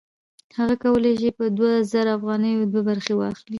هغه کولی شي په دوه زره افغانیو دوه برخې واخلي